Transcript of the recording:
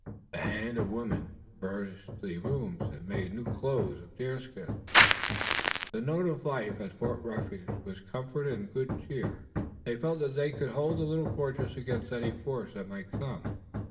The hands of women furnished the rooms, and made new clothes of deerskin. The note of life at Fort Refuge was comfort and good cheer. They felt that they could hold the little fortress against any force that might come.